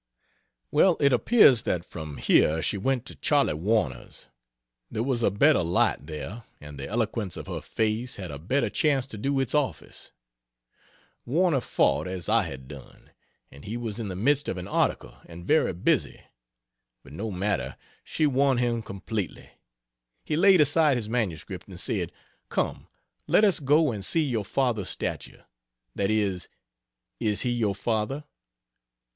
Well, it appears that from here she went to Charley Warner's. There was a better light, there, and the eloquence of her face had a better chance to do its office. Warner fought, as I had done; and he was in the midst of an article and very busy; but no matter, she won him completely. He laid aside his MS and said, "Come, let us go and see your father's statue. That is is he your father?"